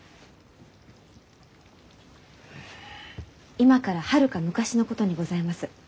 今からはるか昔のことにございます。